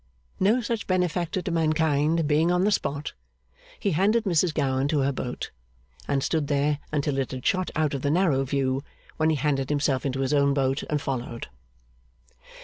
No such benefactor to mankind being on the spot, he handed Mrs Gowan to her boat, and stood there until it had shot out of the narrow view; when he handed himself into his own boat and followed.